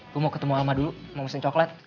gue mau ketemu alma dulu mau pesen coklat